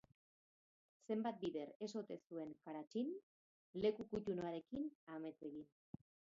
Zenbat bider ez ote zuen Karachin leku kutun harekin amets egin?